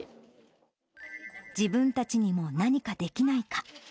自分たちにも何かできないか。